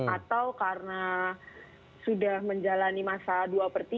atau karena sudah menjalani masa dua per tiga